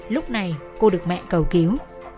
lúc này cô được mẹ cầu cứu